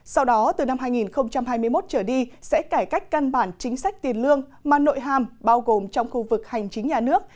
sau đó từ năm hai nghìn hai mươi một trở đi sẽ cải cách căn bản chính sách tiền lương mà nội hàm bao gồm trong khu vực hành chính nhà nước